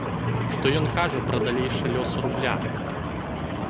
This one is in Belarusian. Што ён кажа пра далейшы лёс рубля?